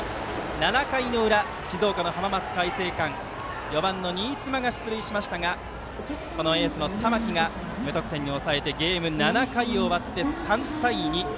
７回の裏、静岡の浜松開誠館４番の新妻が出塁しましたがエースの玉木が無得点に抑えてゲームは７回を終わって３対２。